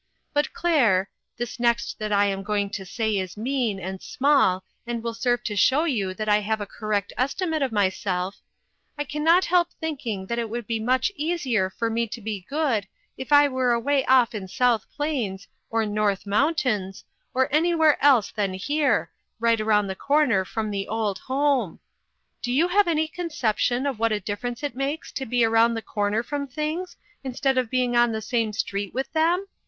But Claire (this next that I am going to say is mean, and small, and will serve to show you that I have a cor rect estimate of myself), I can not help thinking it would be much easier for me to be good if I were away off in South Plains, or North Mountains, or anywhere else than here, right around the corner from the old home. Do you have any conception of what a difference it makes to be around the corner from things, instead of being on the same street with them